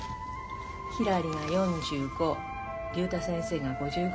ひらりが４５竜太先生が５５。